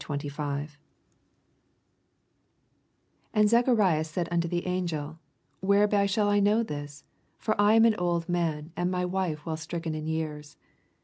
17 18 And Zaoharias said unto the angel, Whereby shall I know this? for I am an old man, and my wife well stricken in years.